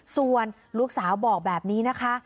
ส่วนลูกสาวบอกแบบนี้นะคะ